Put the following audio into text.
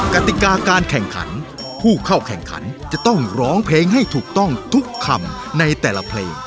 กติกาการแข่งขันผู้เข้าแข่งขันจะต้องร้องเพลงให้ถูกต้องทุกคำในแต่ละเพลง